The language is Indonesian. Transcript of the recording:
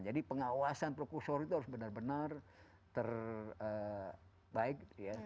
jadi pengawasan prokursor itu harus benar benar terbaik